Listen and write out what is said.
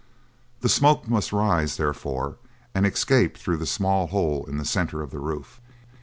The smoke must rise, therefore, and escape through the small hole in the centre of the roof.